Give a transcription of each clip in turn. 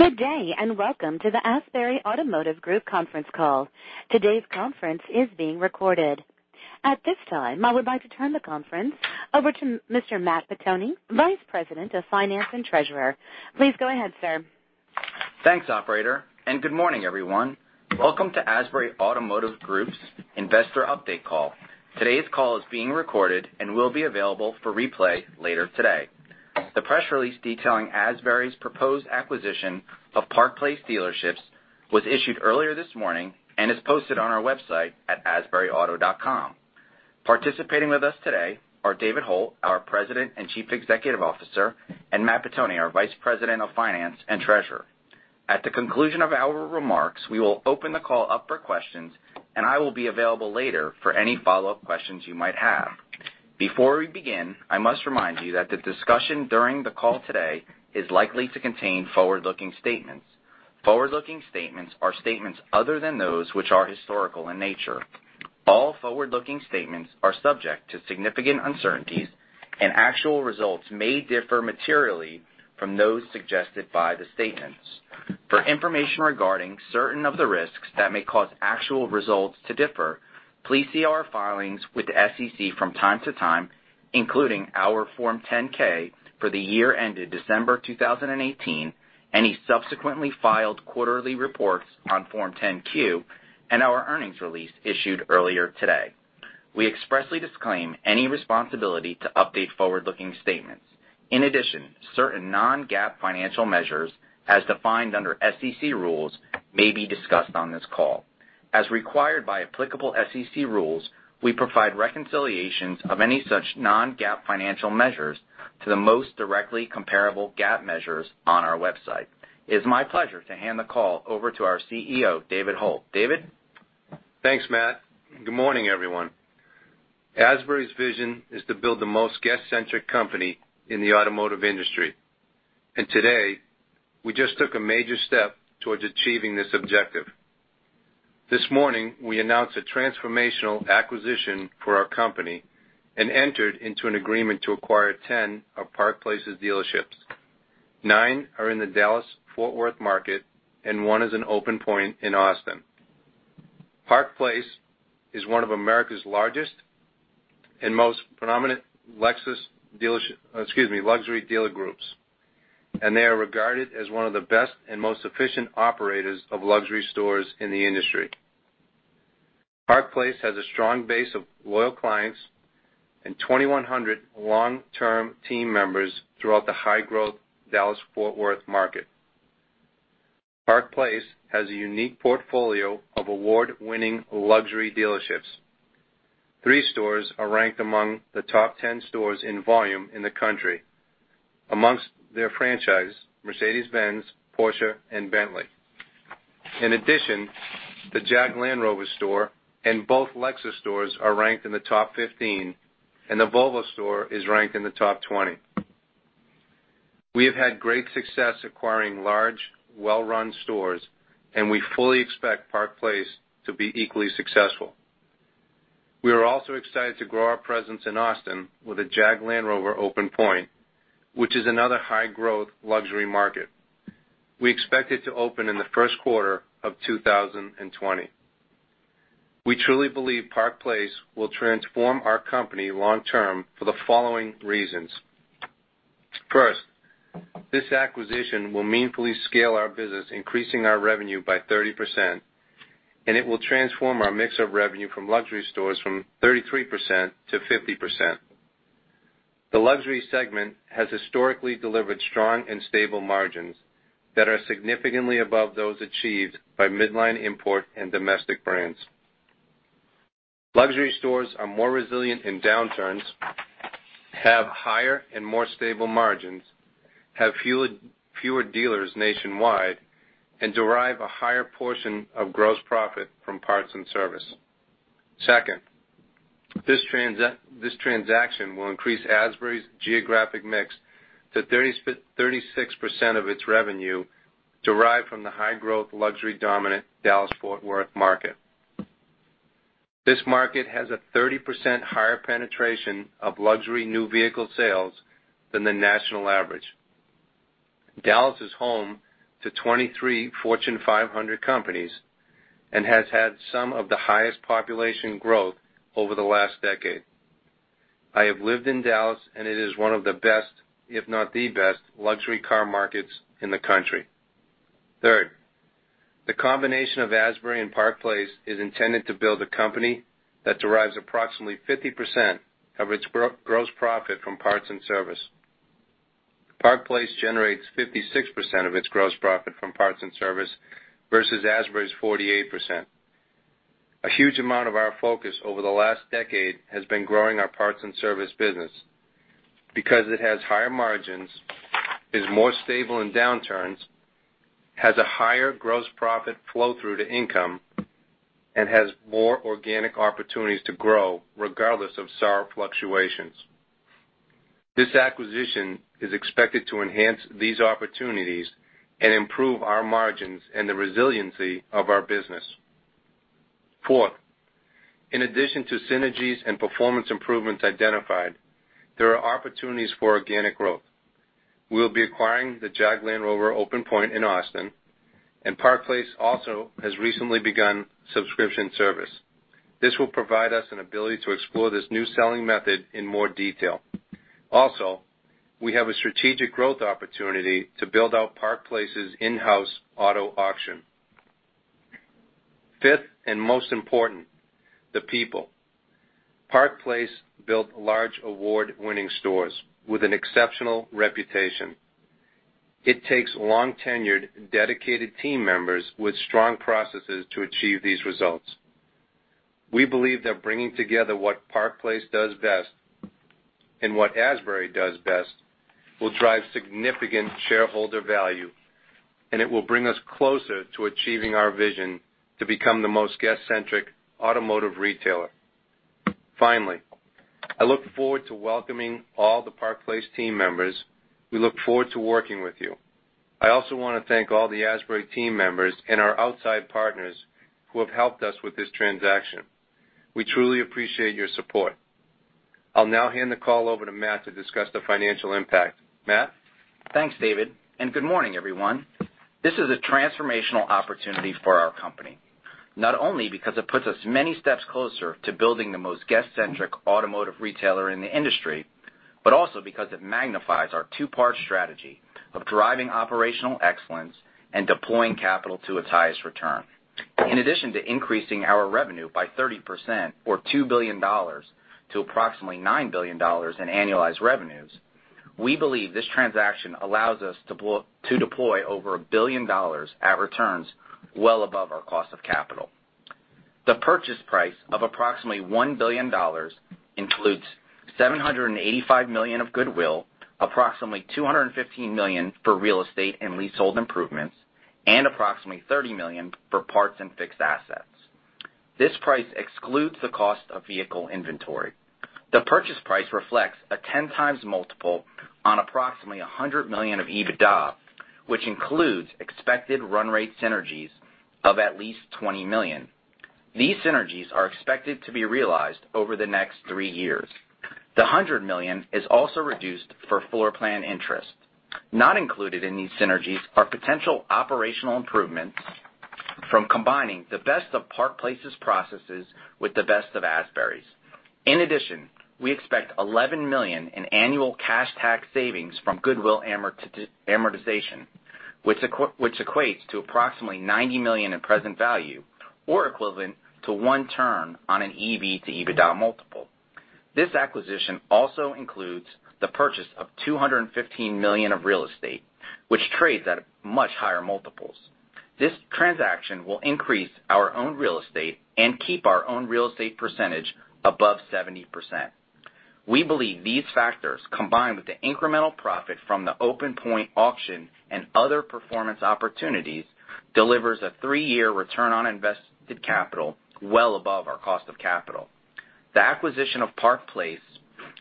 Good day, and welcome to the Asbury Automotive Group conference call. Today's conference is being recorded. At this time, I would like to turn the conference over to Mr. Matt Pettoni, Vice President of Finance and Treasurer. Please go ahead, sir. Thanks, operator, and good morning, everyone. Welcome to Asbury Automotive Group's investor update call. Today's call is being recorded and will be available for replay later today. The press release detailing Asbury's proposed acquisition of Park Place Dealerships was issued earlier this morning and is posted on our website at asburyauto.com. Participating with us today are David Hult, our President and Chief Executive Officer, and Matt Pettoni, our Vice President of Finance and Treasurer. At the conclusion of our remarks, we will open the call up for questions, and I will be available later for any follow-up questions you might have. Before we begin, I must remind you that the discussion during the call today is likely to contain forward-looking statements. Forward-looking statements are statements other than those which are historical in nature. All forward-looking statements are subject to significant uncertainties and actual results may differ materially from those suggested by the statements. For information regarding certain of the risks that may cause actual results to differ, please see our filings with the SEC from time to time, including our Form 10-K for the year ended December 2018, any subsequently filed quarterly reports on Form 10-Q and our earnings release issued earlier today. We expressly disclaim any responsibility to update forward-looking statements. Certain non-GAAP financial measures, as defined under SEC rules, may be discussed on this call. As required by applicable SEC rules, we provide reconciliations of any such non-GAAP financial measures to the most directly comparable GAAP measures on our website. It's my pleasure to hand the call over to our CEO, David Hult. David? Thanks, Matt. Good morning, everyone. Asbury's vision is to build the most guest-centric company in the automotive industry. Today, we just took a major step towards achieving this objective. This morning, we announced a transformational acquisition for our company and entered into an agreement to acquire 10 of Park Place's dealerships. Nine are in the Dallas/Fort Worth market, and one is an open point in Austin. Park Place is one of America's largest and most predominant luxury dealer groups, and they are regarded as 1 of the best and most efficient operators of luxury stores in the industry. Park Place has a strong base of loyal clients and 2,100 long-term team members throughout the high-growth Dallas/Fort Worth market. Park Place has a unique portfolio of award-winning luxury dealerships. Three stores are ranked among the top 10 stores in volume in the country amongst their franchise, Mercedes-Benz, Porsche, and Bentley. In addition, the Jag Land Rover store and both Lexus stores are ranked in the top 15, and the Volvo store is ranked in the top 20. We have had great success acquiring large, well-run stores, and we fully expect Park Place to be equally successful. We are also excited to grow our presence in Austin with a Jag Land Rover open point, which is another high-growth luxury market. We expect it to open in the 1st quarter of 2020. We truly believe Park Place will transform our company long term for the following reasons. First, this acquisition will meaningfully scale our business, increasing our revenue by 30%, and it will transform our mix of revenue from luxury stores from 33% to 50%. The luxury segment has historically delivered strong and stable margins that are significantly above those achieved by midline import and domestic brands. Luxury stores are more resilient in downturns, have higher and more stable margins, have fewer dealers nationwide, and derive a higher portion of gross profit from parts and service. Second, this transaction will increase Asbury's geographic mix to 36% of its revenue derived from the high-growth, luxury-dominant Dallas-Fort Worth market. This market has a 30% higher penetration of luxury new vehicle sales than the national average. Dallas is home to 23 Fortune 500 companies and has had some of the highest population growth over the last decade. I have lived in Dallas, it is one of the best, if not the best, luxury car markets in the country. Third, the combination of Asbury and Park Place is intended to build a company that derives approximately 50% of its gross profit from parts and service. Park Place generates 56% of its gross profit from parts and service versus Asbury's 48%. A huge amount of our focus over the last decade has been growing our parts and service business because it has higher margins, is more stable in downturns, has a higher gross profit flow through to income, and has more organic opportunities to grow regardless of SAAR fluctuations. This acquisition is expected to enhance these opportunities and improve our margins and the resiliency of our business. Fourth, in addition to synergies and performance improvements identified, there are opportunities for organic growth. We'll be acquiring the Jag Land Rover open point in Austin, and Park Place also has recently begun subscription service. This will provide us an ability to explore this new selling method in more detail. Also, we have a strategic growth opportunity to build out Park Place's in-house auto auction. Fifth, most important, the people. Park Place built large award-winning stores with an exceptional reputation. It takes long-tenured, dedicated team members with strong processes to achieve these results. We believe that bringing together what Park Place does best and what Asbury does best will drive significant shareholder value. It will bring us closer to achieving our vision to become the most guest-centric automotive retailer. Finally, I look forward to welcoming all the Park Place team members. We look forward to working with you. I also wanna thank all the Asbury team members and our outside partners who have helped us with this transaction. We truly appreciate your support. I'll now hand the call over to Matt to discuss the financial impact. Matt? Thanks, David, Good morning, everyone. This is a transformational opportunity for our company, not only because it puts us many steps closer to building the most guest-centric automotive retailer in the industry, but also because it magnifies our two-part strategy of driving operational excellence and deploying capital to its highest return. In addition to increasing our revenue by 30% or $2 billion to approximately $9 billion in annualized revenues, we believe this transaction allows us to deploy over a billion dollars at returns well above our cost of capital. The purchase price of approximately $1 billion includes $785 million of goodwill, approximately $215 million for real estate and leasehold improvements, and approximately $30 million for parts and fixed assets. This price excludes the cost of vehicle inventory. The purchase price reflects a 10 times multiple on approximately $100 million of EBITDA, which includes expected run rate synergies of at least $20 million. These synergies are expected to be realized over the next three years. The $100 million is also reduced for floor plan interest. Not included in these synergies are potential operational improvements from combining the best of Park Place's processes with the best of Asbury's. In addition, we expect $11 million in annual cash tax savings from goodwill amortization, which equates to approximately $90 million in present value or equivalent to one term on an EV/EBITDA multiple. This acquisition also includes the purchase of $215 million of real estate, which trades at much higher multiples. This transaction will increase our own real estate and keep our own real estate percentage above 70%. We believe these factors, combined with the incremental profit from the open point auction and other performance opportunities, delivers a three-year return on invested capital well above our cost of capital. The acquisition of Park Place,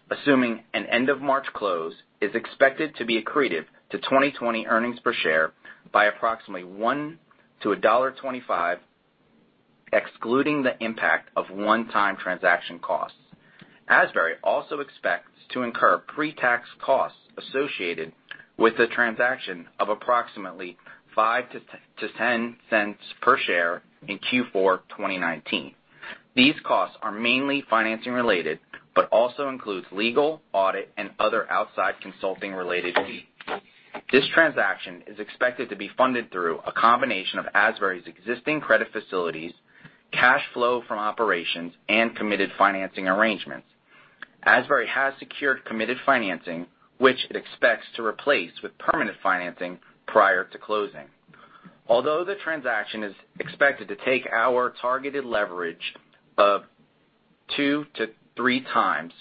assuming an end of March close, is expected to be accretive to 20 earnings per share by approximately $1-$1.25, excluding the impact of one-time transaction costs. Asbury also expects to incur pre-tax costs associated with the transaction of approximately $0.05-$0.10 per share in Q4 2019. These costs are mainly financing related but also includes legal, audit, and other outside consulting related fees. This transaction is expected to be funded through a combination of Asbury's existing credit facilities, cash flow from operations, and committed financing arrangements. Asbury has secured committed financing, which it expects to replace with permanent financing prior to closing. Although the transaction is expected to take our targeted leverage of two to three times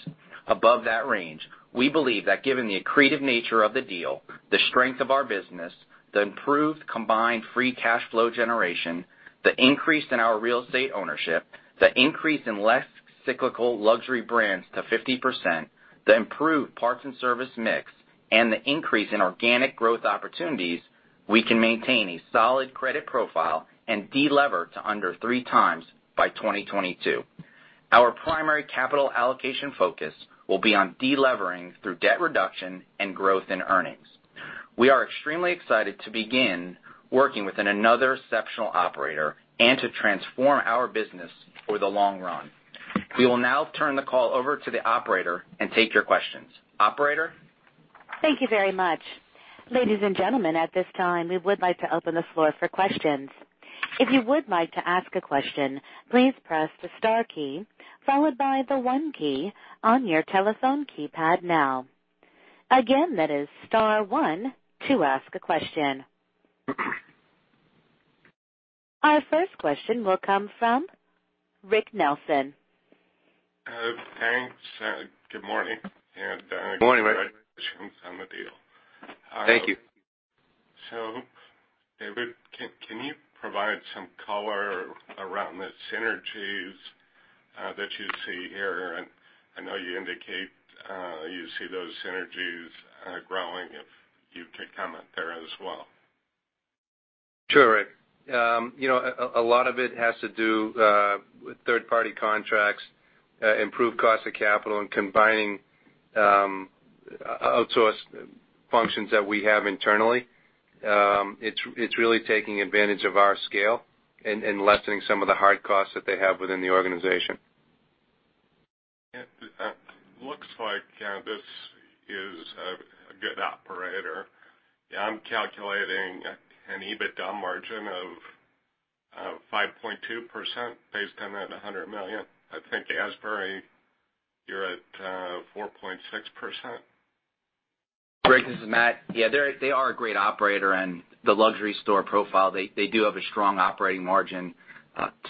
above that range, we believe that given the accretive nature of the deal, the strength of our business, the improved combined free cash flow generation, the increase in our real estate ownership, the increase in less cyclical luxury brands to 50%, the improved parts and service mix, and the increase in organic growth opportunities, we can maintain a solid credit profile and de-lever to under three times by 2022. Our primary capital allocation focus will be on de-levering through debt reduction and growth in earnings. We are extremely excited to begin working with another exceptional operator and to transform our business for the long run. We will now turn the call over to the operator and take your questions. Operator? Thank you very much. Ladies and gentlemen, at this time, we would like to open the floor for questions. If you would like to ask a question, please press the star key followed by the one key on your telephone keypad now. Again, that is star one to ask a question. Our first question will come from Rick Nelson. Thanks, good morning and. Good morning, Rick. congratulations on the deal. Thank you. David, can you provide some color around the synergy that you see here, and I know you indicate, you see those synergies, growing, if you could comment there as well. Sure, Rick. You know, a lot of it has to do with third party contracts, improved cost of capital and combining outsource functions that we have internally. It's really taking advantage of our scale and lessening some of the hard costs that they have within the organization. It looks like this is a good operator. I'm calculating an EBITDA margin of 5.2% based on that $100 million. I think Asbury, you're at 4.6%. Great. This is Matt. Yeah, they are a great operator. The luxury store profile, they do have a strong operating margin,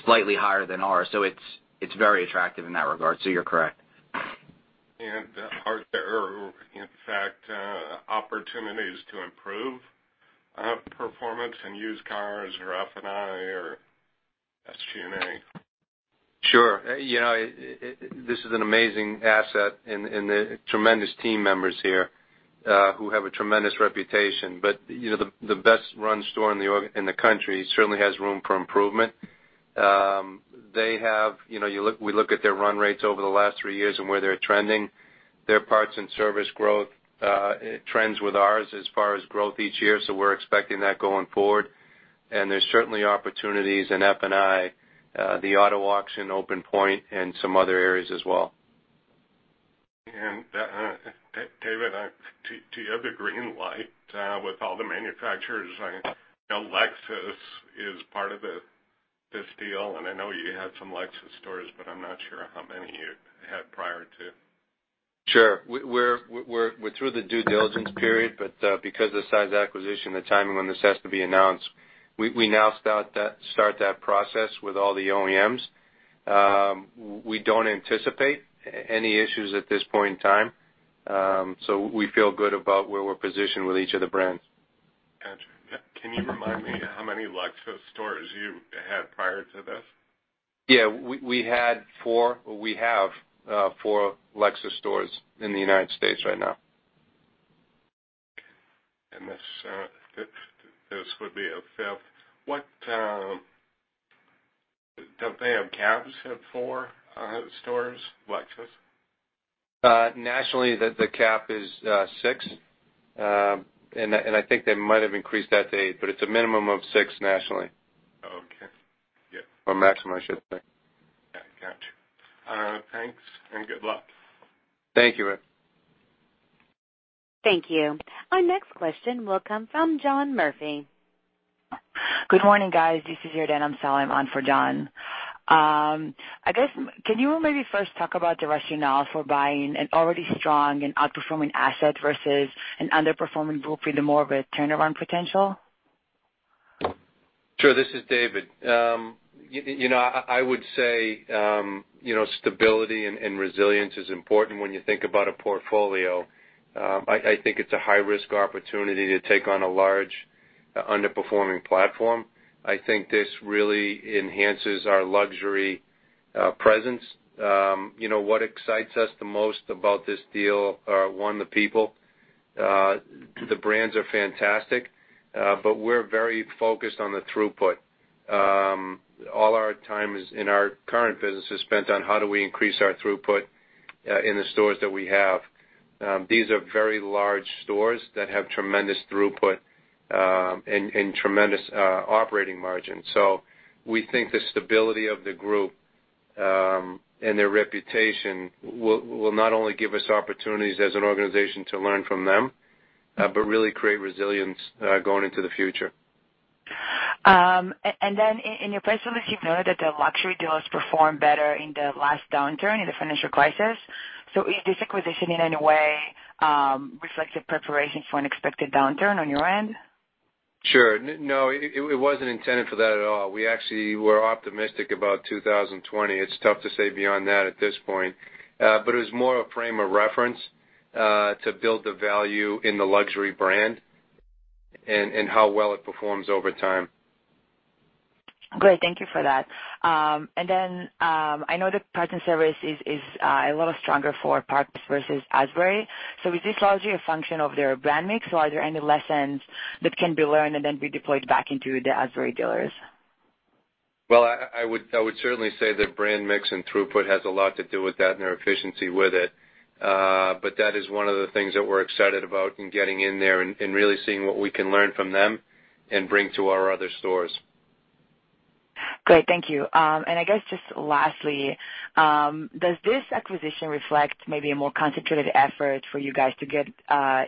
slightly higher than ours. It's very attractive in that regard, so you're correct. Are there, in fact, opportunities to improve performance in used cars or F&I or SG&A? Sure. You know, this is an amazing asset and the tremendous team members here who have a tremendous reputation. You know, the best run store in the country certainly has room for improvement. They have, you know, we look at their run rates over the last three years and where they're trending. Their parts and service growth, it trends with ours as far as growth each year, so we're expecting that going forward. There's certainly opportunities in F&I, the auto auction open point, and some other areas as well. David, do you have the green light with all the manufacturers? I know Lexus is part of this deal, and I know you had some Lexus stores, but I'm not sure how many you had prior to. Sure. We're through the due diligence period, but because of the size of the acquisition, the timing when this has to be announced, we now start that process with all the OEMs. We don't anticipate any issues at this point in time, so we feel good about where we're positioned with each of the brands. Gotcha. Can you remind me how many Lexus stores you had prior to this? Yeah. We had four. We have four Lexus stores in the U.S. right now. This would be a fifth. What, Don't they have caps at four stores, Lexus? Nationally, the cap is six. I think they might have increased that to eight, but it's a minimum of six nationally. Okay. Yeah. Maximum, I should say. Yeah, gotcha. Thanks, and good luck. Thank you, Rick. Thank you. Our next question will come from John Murphy. Good morning, guys. This is Sijirden. I'm filling on for John. I guess can you maybe first talk about the rationale for buying an already strong and outperforming asset versus an underperforming group with more of a turnaround potential? Sure. This is David. You know, I would say, you know, stability and resilience is important when you think about a portfolio. I think it's a high risk opportunity to take on a large underperforming platform. I think this really enhances our luxury presence. You know, what excites us the most about this deal are, one, the people. The brands are fantastic, we're very focused on the throughput. All our time is in our current business is spent on how do we increase our throughput in the stores that we have. These are very large stores that have tremendous throughput, and tremendous operating margin. We think the stability of the group, and their reputation will not only give us opportunities as an organization to learn from them, but really create resilience, going into the future. And then in your press release, you noted that the luxury dealers performed better in the last downturn in the financial crisis. Is this acquisition in any way reflective preparation for an expected downturn on your end? Sure. No, it wasn't intended for that at all. We actually were optimistic about 2020. It's tough to say beyond that at this point. It was more a frame of reference to build the value in the luxury brand and how well it performs over time. Great. Thank you for that. I know that parts and service is, a little stronger for Park Place versus Asbury. Is this largely a function of their brand mix, or are there any lessons that can be learned and then be deployed back into the Asbury dealers? Well, I would certainly say that brand mix and throughput has a lot to do with that and their efficiency with it. That is one of the things that we're excited about in getting in there and really seeing what we can learn from them and bring to our other stores. Great. Thank you. I guess just lastly, does this acquisition reflect maybe a more concentrated effort for you guys to get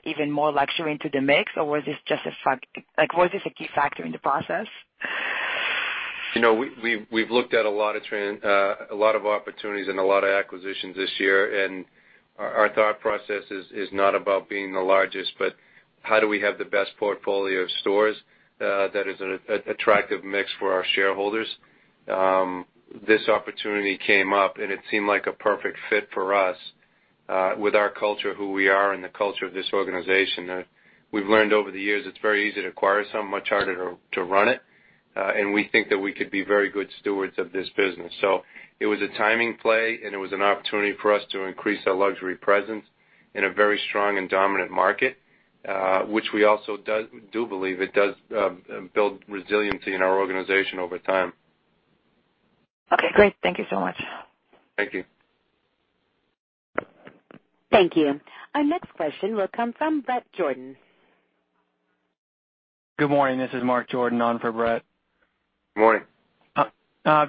even more luxury into the mix, or was this a key factor in the process? You know, we've looked at a lot of trend, a lot of opportunities and a lot of acquisitions this year. Our thought process is not about being the largest, but how do we have the best portfolio of stores that is an attractive mix for our shareholders. This opportunity came up. It seemed like a Fit for us with our culture, who we are, and the culture of this organization. We've learned over the years it's very easy to acquire something, much harder to run it. We think that we could be very good stewards of this business. It was a timing play, and it was an opportunity for us to increase our luxury presence in a very strong and dominant market, which we also do believe it does, build resiliency in our organization over time. Okay, great. Thank you so much. Thank you. Thank you. Our next question will come from Bret Jordan. Good morning. This is Mark Jordan on for Bret. Morning.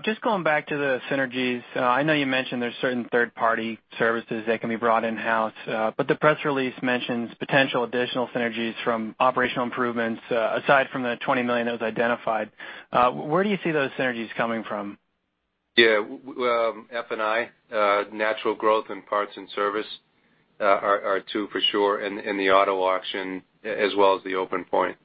Just going back to the synergies. I know you mentioned there's certain third-party services that can be brought in-house, but the press release mentions potential additional synergies from operational improvements, aside from the $20 million that was identified. Where do you see those synergies coming from? F&I, natural growth in parts and service, are two for sure, and the auto auction as well as the open point.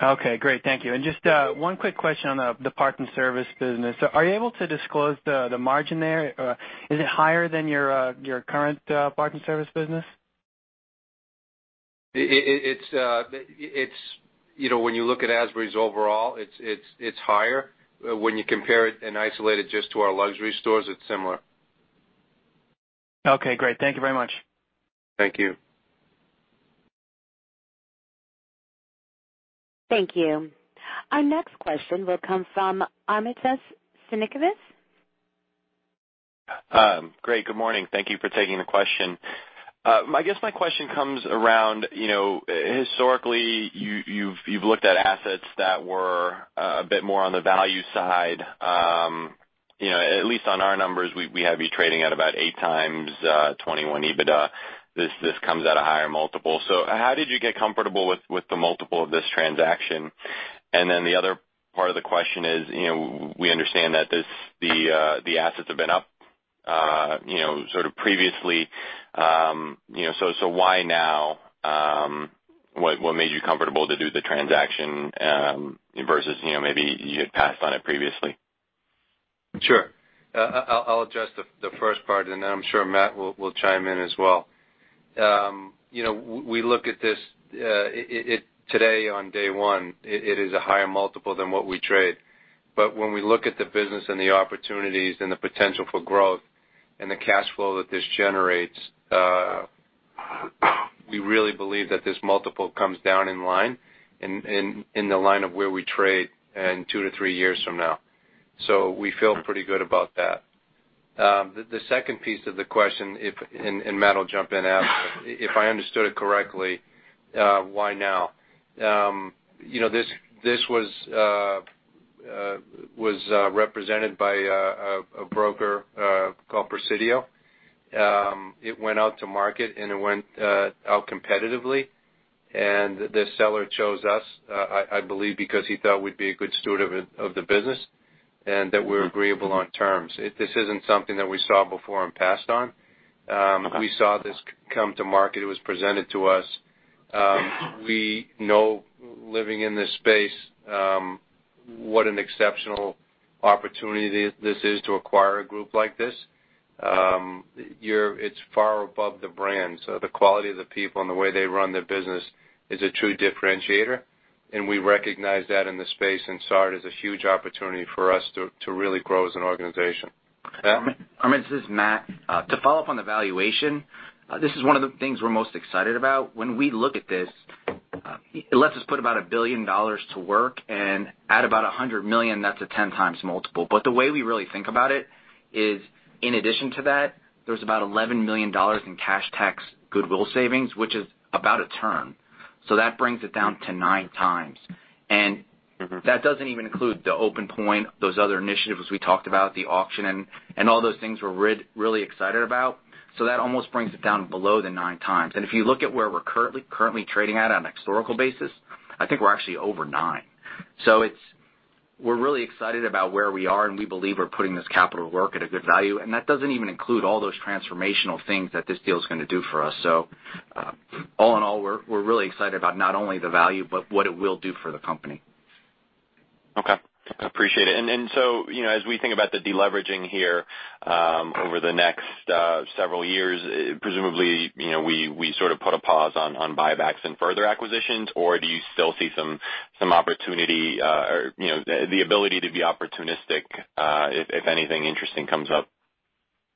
Okay, great. Thank you. Just one quick question on the parts and service business. Are you able to disclose the margin there? Is it higher than your current parts and service business? It's, you know, when you look at Asbury's overall, it's higher. When you compare it and isolate it just to our luxury stores, it's similar. Okay, great. Thank you very much. Thank you. Thank you. Our next question will come from Armintas Sinkevicius. Great. Good morning. Thank you for taking the question. I guess my question comes around, you know, historically, you've, you've looked at assets that were a bit more on the value side. You know, at least on our numbers, we have you trading at about eight times 2021 EBITDA. This comes at a higher multiple. How did you get comfortable with the multiple of this transaction? The other part of the question is, you know, we understand that this, the assets have been up, you know, sort of previously. You know, so why now? What made you comfortable to do the transaction versus, you know, maybe you had passed on it previously? Sure. I'll address the first part, and then I'm sure Matt will chime in as well. You know, we look at this, today on day one, it is a higher multiple than what we trade. When we look at the business and the opportunities and the potential for growth and the cash flow that this generates, we really believe that this multiple comes down in line, in the line of where we trade in two to three years from now. We feel pretty good about that. The second piece of the question, if, and Matt will jump in after, if I understood it correctly, why now? You know, this was represented by a broker called Presidio. It went out to market, and it went out competitively, and the seller chose us, I believe because he thought we'd be a good steward of it, of the business, and that we're agreeable on terms. This isn't something that we saw before and passed on. We saw this come to market. It was presented to us. We know living in this space, what an exceptional opportunity this is to acquire a group like this. It's far above the brand, so the quality of the people and the way they run their business is a true differentiator, and we recognize that in the space and saw it as a huge opportunity for us to really grow as an organization. Matt? Armintas, this is Matt. To follow up on the valuation, this is one of the things we're most excited about. When we look at this, it lets us put about $1 billion to work and add about $100 million, that's a 10x multiple. The way we really think about it is in addition to that, there's about $11 million in cash tax goodwill savings, which is about 1x. That brings it down to 9x. That doesn't even include the open point, those other initiatives we talked about, the auction and all those things we're really excited about. That almost brings it down below the 9x. If you look at where we're currently trading at on a historical basis, I think we're actually over 9x. We're really excited about where we are, and we believe we're putting this capital to work at a good value. That doesn't even include all those transformational things that this deal is gonna do for us. All in all, we're really excited about not only the value, but what it will do for the company. Okay. Appreciate it. You know, as we think about the deleveraging here, over the next several years, presumably, you know, we sort of put a pause on buybacks and further acquisitions, or do you still see some opportunity, or, you know, the ability to be opportunistic, if anything interesting comes up?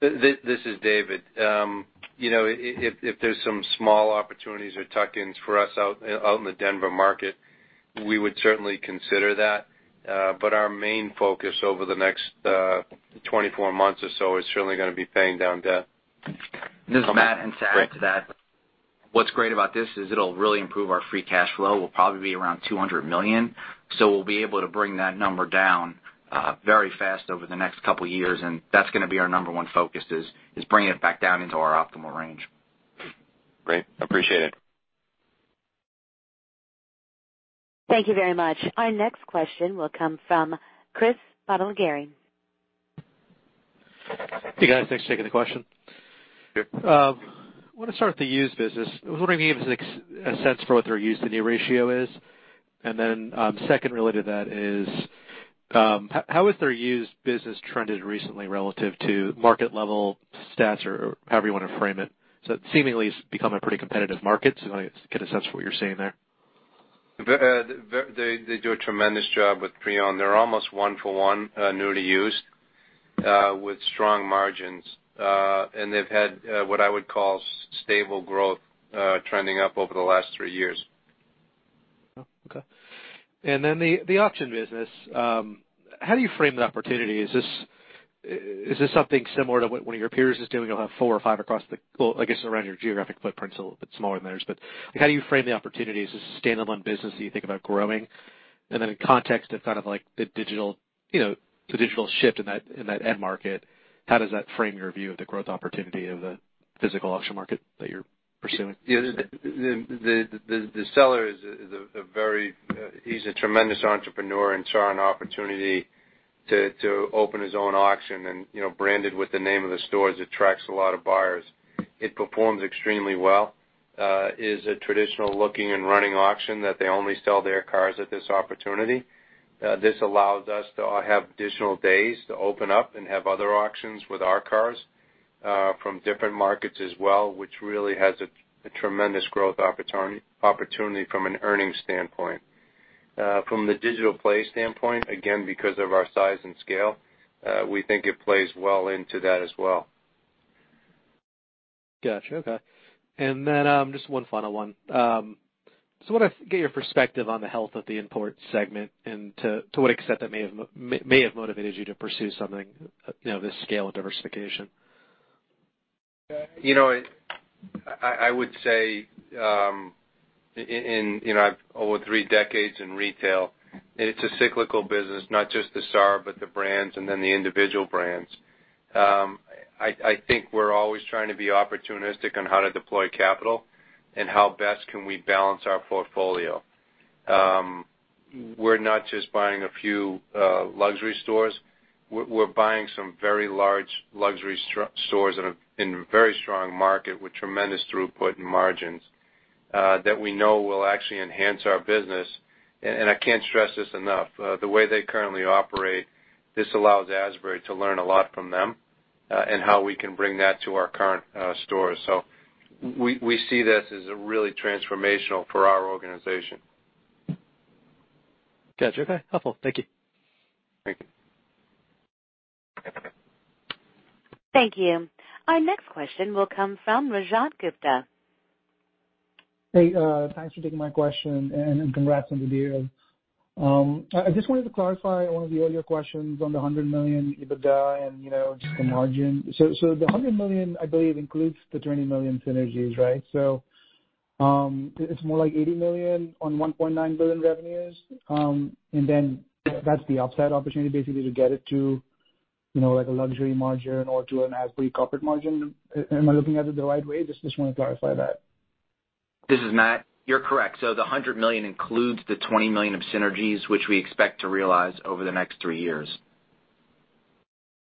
This is David. You know, if there's some small opportunities or tuck-ins for us out in the Denver market, we would certainly consider that. Our main focus over the next 24 months or so is certainly gonna be paying down debt. This is Matt. To add to that, what's great about this is it'll really improve our free cash flow. We'll probably be around $200 million, so we'll be able to bring that number down very fast over the next couple years, and that's gonna be our number one focus, is bringing it back down into our optimal range. Great. Appreciate it. Thank you very much. Our next question will come from Chris [Parogery]. Hey, guys. Thanks for taking the question. I wanna start with the used business. I was wondering if you could give us a sense for what their used to new ratio is. Then, second really to that is, how has their used business trended recently relative to market level stats or however you want to frame it? It seemingly has become a pretty competitive market, so I wanna get a sense of what you're seeing there. They do a tremendous job with pre-owned. They're almost one for one new to used with strong margins. They've had what I would call stable growth, trending up over the last three years. Oh, okay. Then the auction business, how do you frame the opportunity? Is this something similar to what one of your peers is doing? You'll have four or five across the Well, I guess around your geographic footprint's a little bit smaller than theirs, but, like, how do you frame the opportunity? Is this a standalone business that you think about growing? Then in context of kind of like the digital, you know, the digital shift in that, in that end market, how does that frame your view of the growth opportunity of the physical auction market that you're pursuing? Yeah. The seller is a very, he's a tremendous entrepreneur and saw an opportunity to open his own auction and, you know, branded with the name of the stores attracts a lot of buyers. It performs extremely well and is a traditional looking and running auction that they only sell their cars at this opportunity. This allows us to have additional days to open up and have other auctions with our cars from different markets as well, which really has a tremendous growth opportunity from an earnings standpoint. From the digital play standpoint, again, because of our size and scale, we think it plays well into that as well. Gotcha. Okay. Then, just one final one. Just wanna get your perspective on the health of the import segment and to what extent that may have motivated you to pursue something, you know, of this scale and diversification. You know, I would say, in, you know, I've over three decades in retail, it's a cyclical business, not just the SAR, but the brands and then the individual brands. I think we're always trying to be opportunistic on how to deploy capital and how best can we balance our portfolio. We're not just buying a few luxury stores. We're buying some very large luxury stores in a very strong market with tremendous throughput and margins that we know will actually enhance our business. I can't stress this enough, the way they currently operate, this allows Asbury to learn a lot from them, and how we can bring that to our current stores. We see this as a really transformational for our organization. Gotcha. Okay. Helpful. Thank you. Thank you. Thank you. Our next question will come from Rajat Gupta. Hey, thanks for taking my question, and congrats on the deal. I just wanted to clarify one of the earlier questions on the $100 million EBITDA and, you know, just the margin. The $100 million, I believe, includes the $20 million synergies, right? It's more like $80 million on $1.9 billion revenues. That's the upside opportunity basically to get it to, you know, like a luxury margin or to an Asbury corporate margin. Am I looking at it the right way? Just wanna clarify that. This is Matt. You're correct. The $100 million includes the $20 million of synergies, which we expect to realize over the next three years.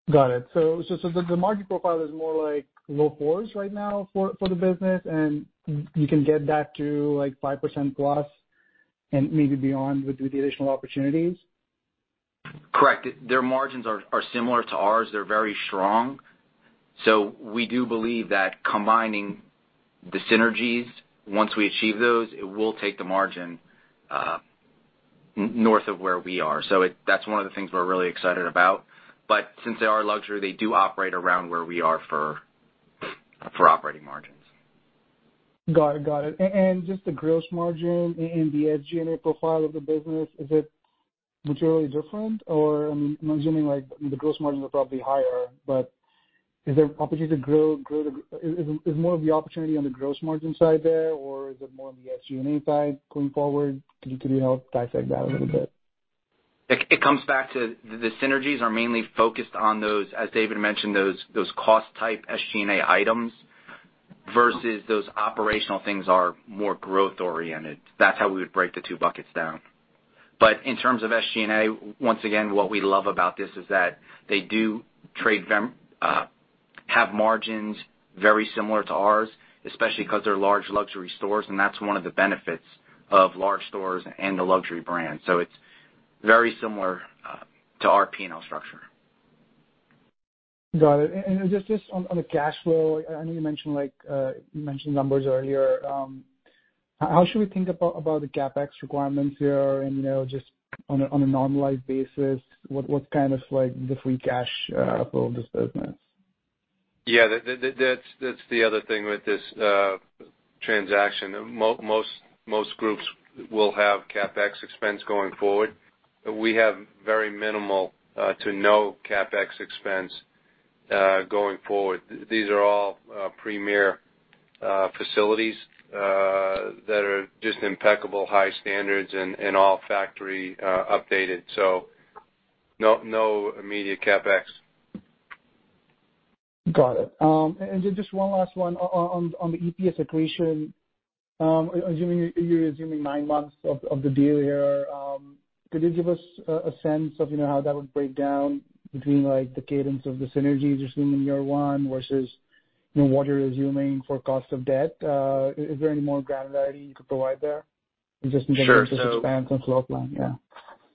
Got it. The margin profile is more like low 4%s right now for the business, and you can get that to, like, 5%+ and maybe beyond with the additional opportunities? Correct. Their margins are similar to ours. They're very strong. We do believe that combining the synergies, once we achieve those, it will take the margin north of where we are. That's one of the things we're really excited about. Since they are luxury, they do operate around where we are for operating margins. Got it. Got it. Just the gross margin and the SG&A profile of the business, is it materially different? I mean, I'm assuming, like, the gross margins are probably higher, but is there opportunity to grow the Is more of the opportunity on the gross margin side there, or is it more on the SG&A side going forward? Can you help dissect that a little bit? It comes back to the synergies are mainly focused on those, as David mentioned, those cost-type SG&A items versus those operational things are more growth oriented. That's how we would break the two buckets down. In terms of SG&A, once again, what we love about this is that they do have margins very similar to ours, especially 'cause they're large luxury stores, and that's one of the benefits of large stores and the luxury brands. It's very similar to our P&L structure. Got it. Just on the cash flow, I know you mentioned like, you mentioned numbers earlier. How should we think about the CapEx requirements here and, you know, just on a normalized basis, what's kind of like the free cash flow of this business? That's the other thing with this transaction. Most groups will have CapEx expense going forward. We have very minimal to no CapEx expense going forward. These are all premier facilities that are just impeccable high standards and all factory updated. No immediate CapEx. Got it. Just one last one. On the EPS accretion, assuming you're assuming nine months of the deal here, could you give us a sense of, you know, how that would break down between, like, the cadence of the synergies you're seeing in year one versus, you know, what you're assuming for cost of debt? Is there any more granularity you could provide there? Sure. Expense and floor plan? Yeah.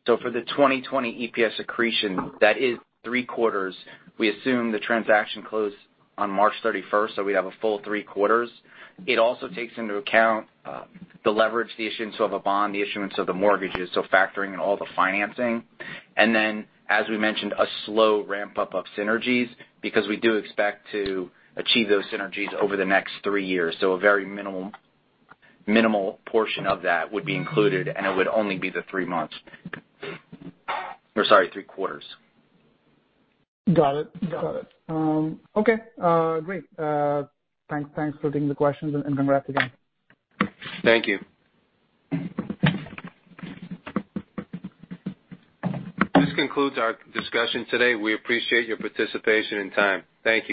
For the 2020 EPS accretion, that is three quarters. We assume the transaction closed on March 31st, so we'd have a full three quarters. It also takes into account the leverage, the issuance of a bond, the issuance of the mortgages, so factoring in all the financing. As we mentioned, a slow ramp-up of synergies because we do expect to achieve those synergies over the next three years. A very minimal portion of that would be included, and it would only be the three months. Or sorry, three quarters. Got it. Got it. Okay. Great. Thanks. Thanks for taking the questions. Congrats again. Thank you. This concludes our discussion today. We appreciate your participation and time. Thank you.